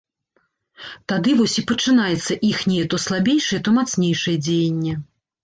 Тады вось і пачынаецца іхняе то слабейшае, то мацнейшае дзеянне.